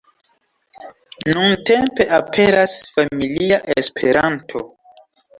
Nuntempe aperas "Familia Esperanto".